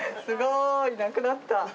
すごいなくなった！